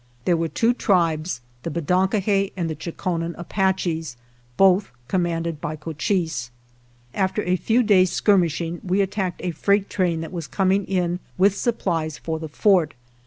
There were two tribes — the Bedonkohe and the Chokonen Apaches, both commanded by Cochise. After a few days' skirmishing we attacked a freight train that was coming in with supplies for the Fort.